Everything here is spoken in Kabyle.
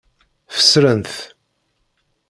Fesren-t.